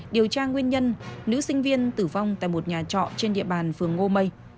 điều tra nguyên nhân nữ sinh viên tử vong tại một nhà trọ trên địa bàn phường ngô mây